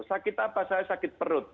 sakit apa saya sakit perut